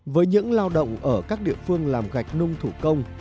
với những lao động ở các địa phương làm gạch nung thủ công